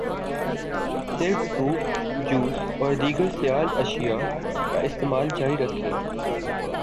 صرف soup, juice, اور دیگر سیال اشیاء کا استعمال جاری رکھیں